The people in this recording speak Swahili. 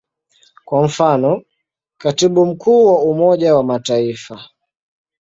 Kwa mfano, Katibu Mkuu wa Umoja wa Mataifa.